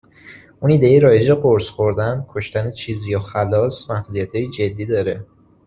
اون ایده رایج قرص خوردن، کشتن چیزی و خلاص، محدودیتهای جدی داره